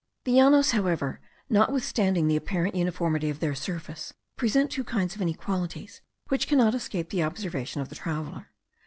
The Llanos, however, notwithstanding the apparent uniformity of their surface, present two kinds of inequalities, which cannot escape the observation of the traveller.